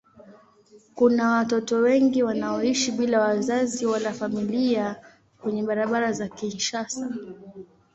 Kuna watoto wengi wanaoishi bila wazazi wala familia kwenye barabara za Kinshasa.